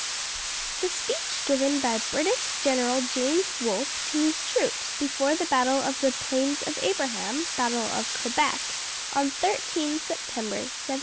The speech given by British General James Wolfe to his troops before the battle of the Plains of Abraham (battle of Quebec) on 13 September 1759.